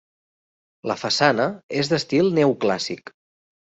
La façana és d'estil neoclàssic.